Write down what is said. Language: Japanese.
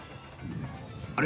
あれ？